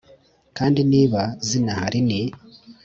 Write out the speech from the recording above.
Kandi niba zinahari ni